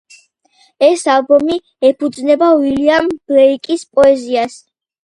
ეს ალბომი ეფუძნება უილიამ ბლეიკის პოეზიას.